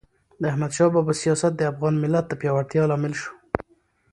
د احمد شاه بابا سیاست د افغان ملت د پیاوړتیا لامل سو.